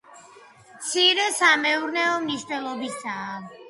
მცირე სამეურნეო მნიშვნელობისაა.